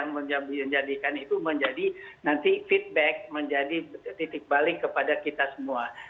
menjadikan itu menjadi nanti feedback menjadi titik balik kepada kita semua